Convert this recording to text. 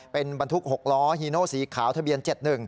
เป็นบรรทุก๖ล้อฮีโนสีขาวทะเบียน๗๑